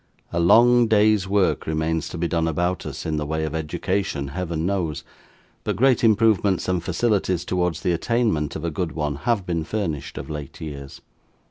A long day's work remains to be done about us in the way of education, Heaven knows; but great improvements and facilities towards the attainment of a good one, have been furnished, of late years.